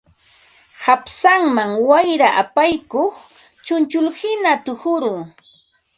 Qapsanman wayra apaykuq chunchullhina tuquru